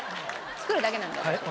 作るだけなんで。